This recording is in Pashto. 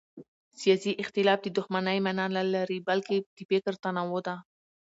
سیاسي اختلاف د دښمنۍ مانا نه لري بلکې د فکر تنوع ده